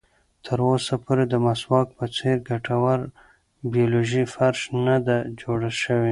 تر اوسه پورې د مسواک په څېر ګټوره بیولوژیکي فرش نه ده جوړه شوې.